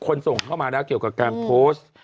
ส่งเข้ามาแล้วเกี่ยวกับการโพสต์